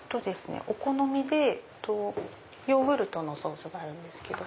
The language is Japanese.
お好みでヨーグルトのソースがあるんですけど。